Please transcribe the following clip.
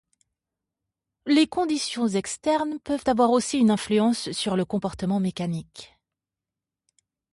Les conditions externes peuvent avoir aussi une influence sur le comportement mécanique.